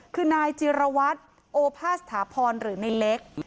คือนายจิรวัตรโอภาสถาพรหรือในเล็ก